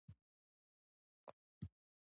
د قدرت پیژندنه د ښه آمریت له اوصافو ده.